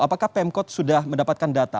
apakah pemkot sudah mendapatkan data